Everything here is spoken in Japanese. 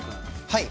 はい。